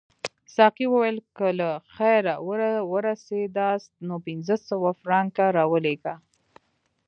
ساقي وویل که له خیره ورسیداست نو پنځه سوه فرانکه راولېږه.